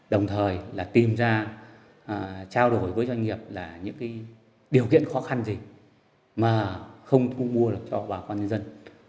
đồng thời là tìm ra trao đổi với doanh nghiệp là những điều kiện khó khăn gì mà không thu mua cho bà con nhân dân